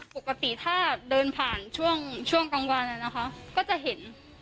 ปกติถ้าเดินผ่านช่วงกลางวันนะคะก็จะเห็น